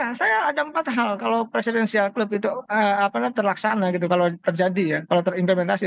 ya saya ada empat hal kalau presidensial club itu terlaksana gitu kalau terjadi ya kalau terimplementasi